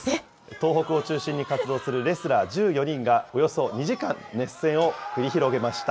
東北を中心に活動するレスラー１４人が、およそ２時間、熱戦を繰り広げました。